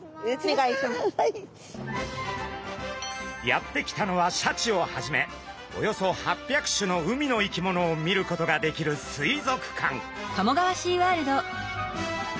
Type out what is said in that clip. やって来たのはシャチをはじめおよそ８００種の海の生き物を見ることができる水族館。